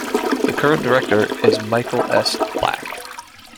The current director is Michael S. Black.